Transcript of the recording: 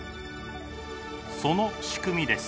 その仕組みです。